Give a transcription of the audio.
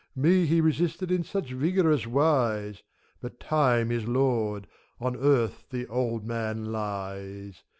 Me he resisted in such vigorous wise, But Time is lord, on earth the old man lies.